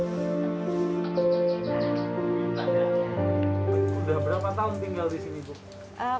sudah berapa tahun tinggal di sini bu